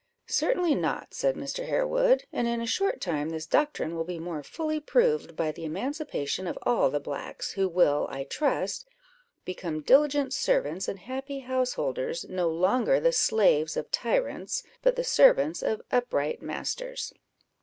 "Certainly not," said Mr. Harewood, "and in a short time this doctrine will be more fully proved by the emancipation of all the blacks, who will, I trust, become diligent servants and happy householders, no longer the slaves of tyrants, but the servants of upright masters."